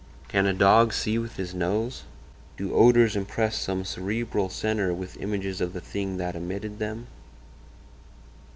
"Can a dog see with his nose? Do odors impress some cerebral centre with images of the thing that emitted them?